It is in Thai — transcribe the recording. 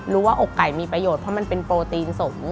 อกไก่มีประโยชน์เพราะมันเป็นโปรตีนสูง